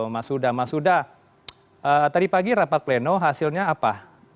mas huda tadi pagi rapat pleno hasilnya apa